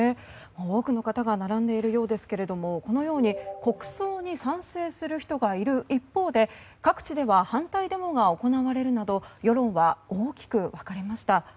多くの方が並んでいるようですがこのように国葬に賛成する人がいる一方で各地では反対デモが行われるなど世論は大きく分かれました。